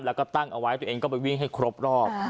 แล้วก็ตั้งเอาไว้ตัวเองก็ไปวิ่งให้ครบรอบ